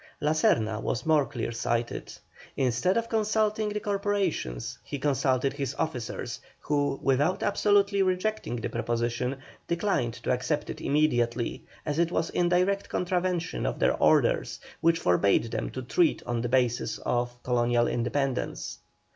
La Serna was more clear sighted. Instead of consulting the corporations he consulted his officers, who, without absolutely rejecting the proposition, declined to accept it immediately, as it was in direct contravention of their orders, which forbade them to treat on the basis of colonial independence.